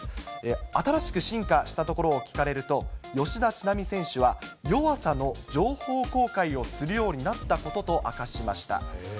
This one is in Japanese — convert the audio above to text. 新しく進化したところを聞かれると、吉田ちなみ選手は、弱さの情報公開をするようになったことと明かしました。